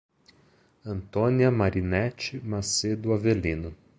Antônia Marinete Macedo Avelino